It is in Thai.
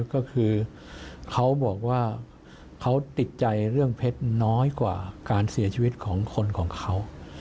ก็คือเขาบอกว่าเขาติดใจเรื่องเพชรน้อยกว่าการเสียชีวิตของคนของเขา